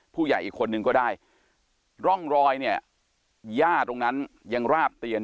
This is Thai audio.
ผู้ใหญ่อีกคนนึงก็ได้ร่องรอยเนี่ยย่าตรงนั้นยังราบเตียน